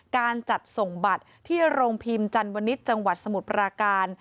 การจัดส่งบัตรที่โรงพิมพ์จันวนิษฐ์จังหวัดสมุทรปราการ